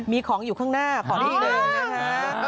มีของอยู่ข้างหน้าขอพี่เดินนะฮะ